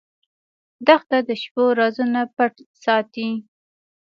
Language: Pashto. دښته د شپو رازونه پټ ساتي.